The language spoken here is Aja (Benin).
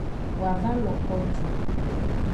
Woa va lo ko ju.